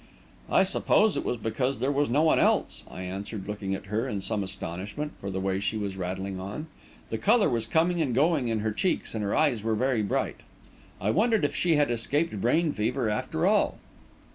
"I suppose it was because there was no one else," I answered, looking at her in some astonishment for the way she was rattling on. The colour was coming and going in her cheeks and her eyes were very bright. I wondered if she had escaped brain fever, after all.